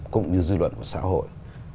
cũng như dư luận của xã hội